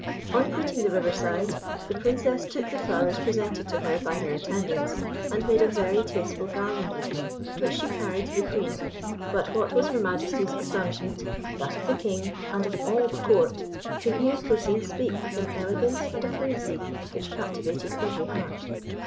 On quitting the riverside, the Princess took the flowers presented to her by her attendants, and made a very tasteful garland with them, which she carried to the Queen; but what was her Majesty's astonishment, that of the King, and of all the Court, to hear Plousine speak with an elegance and a fluency which captivated every heart.